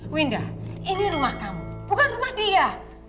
winda ini rumah kamu bukan rumah dia